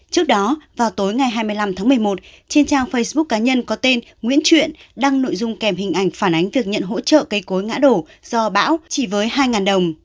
trước đó vào tối ngày hai mươi năm tháng một mươi một trên trang facebook cá nhân có tên nguyễn chuyện đăng nội dung kèm hình ảnh phản ánh việc nhận hỗ trợ cây cối ngã đổ do bão chỉ với hai đồng